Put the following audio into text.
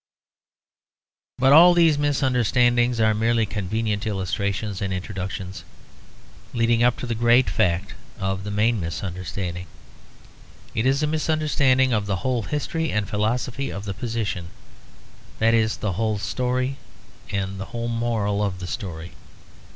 But all these misunderstandings are merely convenient illustrations and introductions, leading up to the great fact of the main misunderstanding. It is a misunderstanding of the whole history and philosophy of the position; that is the whole of the story and the whole moral of the story.